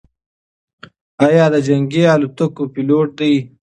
ایا ده د جنګي الوتکو پیلوټ دی؟